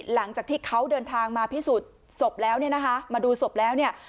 หลังจากที่เขาเดินทางมาพิสูจน์ศพแล้วเนี่ยนะคะมาดูศพแล้วเนี่ย